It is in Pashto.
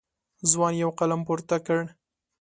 ځوان یو قلم پورته کړ.